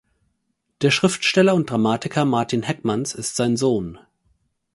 Der Schriftsteller und Dramatiker Martin Heckmanns ist sein Sohn.